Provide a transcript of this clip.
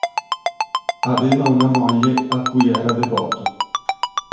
Aveva una moglie, a cui era devoto.